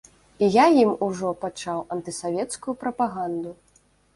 І я ім ужо пачаў антысавецкую прапаганду.